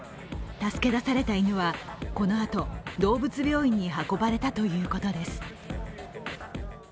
助け出された犬はこのあと動物病院に運ばれたということです。